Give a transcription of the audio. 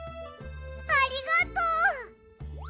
ありがとう！